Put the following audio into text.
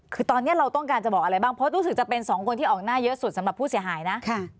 คือตอนนี้เราต้องการจะบอกอะไรบ้างเพราะรู้สึกจะเป็นสองคนที่ออกหน้าเยอะสุดสำหรับผู้เสียหายนะ